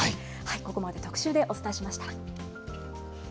ここまで特集でお伝えしました。